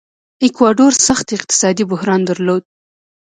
ایکواډور سخت اقتصادي بحران درلود.